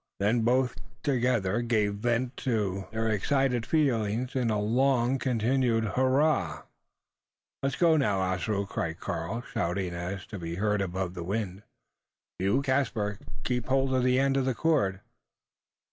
Then both together gave vent to their excited feelings in a long continued hurrah! "Let go now, Ossaroo!" cried Karl, shouting so as to be heard above the wind. "You, Caspar, keep hold of the end of the cord."